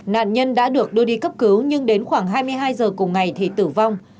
nạn nhân đã được đưa đi cấp cứu nhưng đến khoảng hai mươi hai h cùng ngày thì tử vong